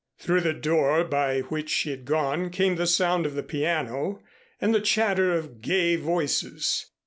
Through the door by which she had gone came the sound of the piano and the chatter of gay voices.